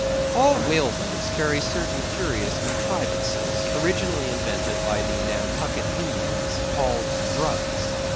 All whaleboats carry certain curious contrivances, originally invented by the Nantucket Indians, called druggs.